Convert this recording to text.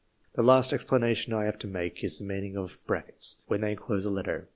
The last explanation I have to make, is the meaning of brackets [] when they enclose a letter.